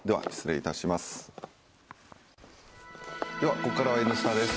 ここからは「Ｎスタ」です。